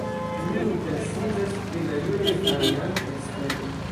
Li interesiĝas pri la junaj variantaj steloj.